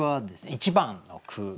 １番の句。